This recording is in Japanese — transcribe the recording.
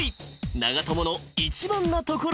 長友の一番なところは］